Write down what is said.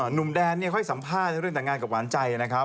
หนุ่มแดนค่อยสัมภาษณ์เรื่องแต่งงานกับหวานใจนะครับ